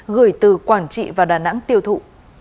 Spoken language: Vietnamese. gửi từ quảng trị vào đà nẵng tiêu thụ